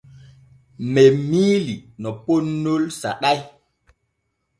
Men miilii no poonnol saɗay.